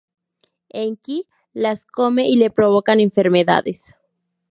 Enki las come y le provocan enfermedades.